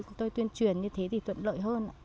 chúng tôi tuyên truyền như thế thì tuyệt lợi hơn ạ